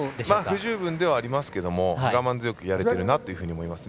不十分ではありますけど我慢強くやれてるなと思います。